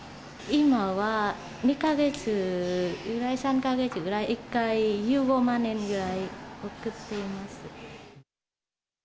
今は２か月ぐらい、３か月ぐらい、１回１５万円ぐらい送っています。